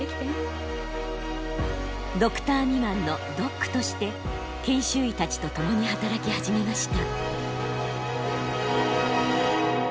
ドクター未満のドックとして研修医たちと共に働き始めました。